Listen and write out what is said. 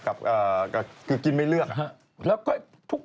กับกินไม่เลือก